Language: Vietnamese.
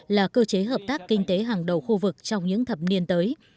là cơ chế hợp tác kinh tế hàng đầu khu vực trong những thập niên tới